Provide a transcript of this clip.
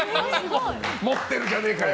持ってるじゃねえかよ。